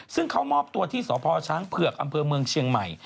ซึ่งเขามอบตัวที่สพช้างเผือกอำเภอเมืองเชียงใหม่